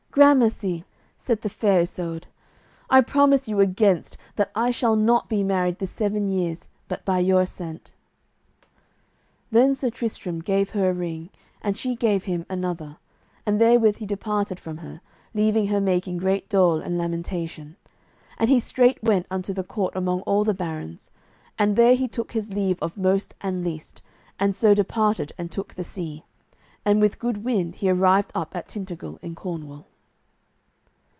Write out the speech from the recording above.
"Grammercy," said the Fair Isoud, "and I promise you against that I shall not be married this seven years but by your assent." Then Sir Tristram gave her a ring, and she gave him another, and therewith he departed from her, leaving her making great dole and lamentation. And he straight went unto the court among all the barons, and there he took his leave of most and least, and so departed and took the sea, and with good wind he arrived up at Tintagil in Cornwall.